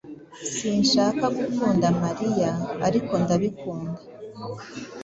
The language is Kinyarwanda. Sinshaka gukunda Mariya, ariko ndabikunda.